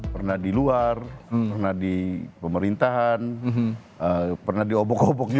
pernah di luar pernah di pemerintahan pernah diobok obok juga